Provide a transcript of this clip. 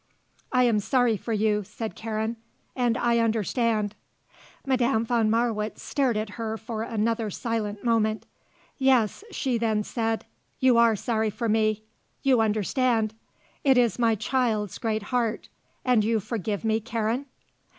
"I am sorry for you," said Karen. "And I understand." Madame von Marwitz stared at her for another silent moment. "Yes," she then said, "you are sorry for me. You understand. It is my child's great heart. And you forgive me, Karen?"